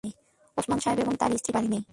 ওসমান সাহেব এবং তাঁর স্ত্রী-কেউ নাকি বাড়ি নেই।